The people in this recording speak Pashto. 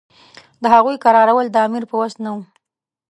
د هغوی کرارول د امیر په وس نه وو.